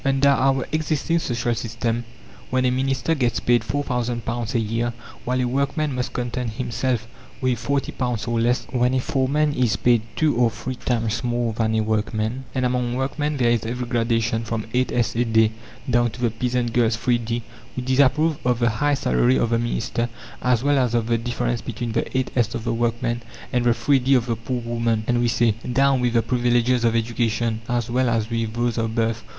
Under our existing social system, when a minister gets paid £4,000 a year, while a workman must content himself with £40 or less; when a foreman is paid two or three times more than a workman, and among workmen there is every gradation, from 8s. a day down to the peasant girl's 3d., we disapprove of the high salary of the minister as well as of the difference between the 8s. of the workman and the 3d. of the poor woman. And we say, '"Down with the privileges of education, as well as with those of birth!"